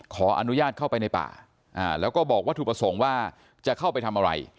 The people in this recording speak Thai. ขออนุญาตเข้าไปในป่าแล้วก็บอกว่าถูกประสงค์ว่าจะเข้าไปทำอะไร